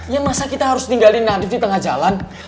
ya masa kita harus tinggalin nanti di tengah jalan